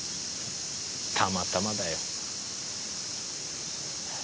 たまたまだよ。